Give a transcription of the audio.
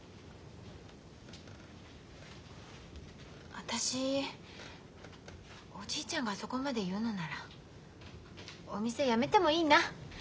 私おじいちゃんがあそこまで言うのならお店やめてもいいな。